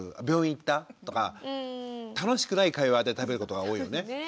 病院行った？」とか楽しくない会話で食べることが多いよね。